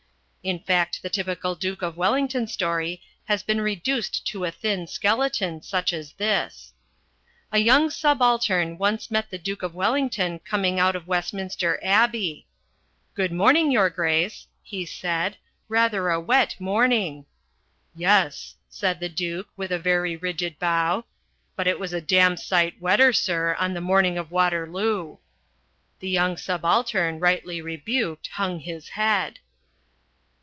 In fact the typical Duke of Wellington story has been reduced to a thin skeleton such as this: "A young subaltern once met the Duke of Wellington coming out of Westminster Abbey. 'Good morning, your Grace,' he said, 'rather a wet morning.' 'Yes' said the Duke, with a very rigid bow, 'but it was a damn sight wetter, sir, on the morning of Waterloo.' The young subaltern, rightly rebuked, hung his head."